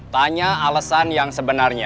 tanya alasan yang sebenarnya